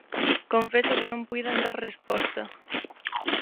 Confeso que non puiden dar resposta.